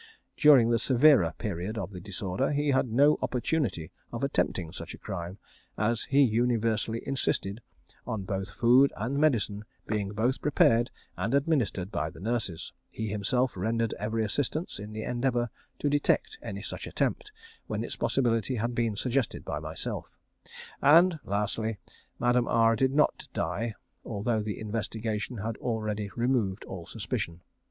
During the severer period of the disorder, he had no opportunity of attempting such a crime, as he universally insisted on both food and medicine being both prepared and administered by the nurses; he himself rendered every assistance in the endeavour to detect any such attempt when its possibility had been suggested by myself; and lastly, Madame R did not die, although the investigation had already removed all suspicion.